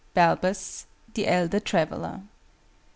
BALBUS. THE ELDER TRAVELLER.